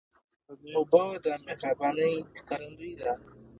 اوبه د مهربانۍ ښکارندویي ده.